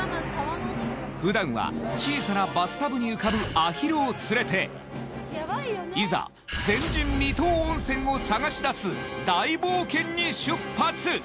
ふだんは小さなバスタブに浮かぶアヒルを連れていざ前人未到温泉を探し出す大冒険に出発。